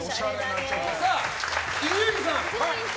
伊集院さん。